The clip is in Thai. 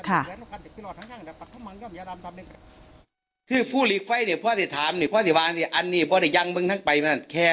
อันนี้ผมอยากว่ามันเคยเสี่ยงคนไหมนะครับ